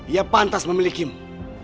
ia pantas memilikimu